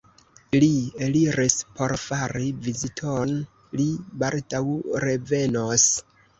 Li eliris por fari viziton: li baldaŭ revenos.